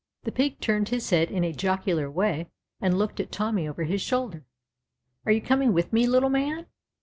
The Pig turned his head in a jocular way and looked at Tommy over his shoulder. " Are you coming with me, little man